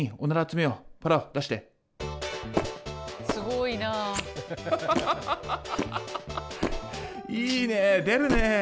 いいね出るね。